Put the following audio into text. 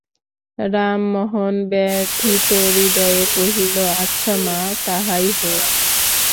রামমোহন ব্যথিতহৃদয়ে কহিল, আচ্ছা মা, তাহাই হউক।